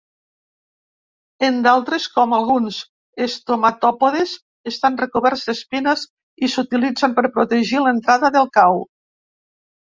En d'altres, com alguns estomatòpodes, estan recoberts d'espines i s'utilitzen per protegir l'entrada del cau.